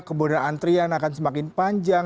kemudian antrian akan semakin panjang